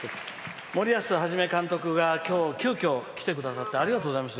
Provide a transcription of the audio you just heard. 森保一監督が今日、急きょ来てくださってありがとうございました。